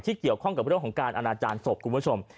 เกี่ยวข้องกับเรื่องของการอนาจารย์ศพคุณผู้ชม